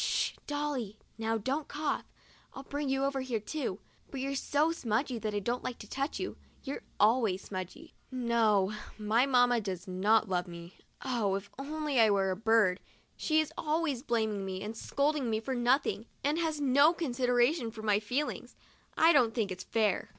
Sh, Dolly! Now don't cough. I'd bring you over here too, but you're so smudgy that I don't like to touch you. You're always smudgy." No; my mamma does not love me. Oh, if I only were a bird! She is always blaming me and scolding me for nothing, and has no considera tion for my feelings. I don't think it's fair.